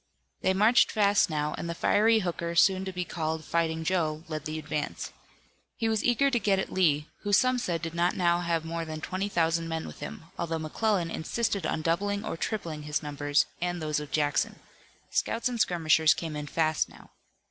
They marched fast now, and the fiery Hooker soon to be called Fighting Joe led the advance. He was eager to get at Lee, who some said did not now have more than twenty thousand men with him, although McClellan insisted on doubling or tripling his numbers and those of Jackson. Scouts and skirmishers came in fast now.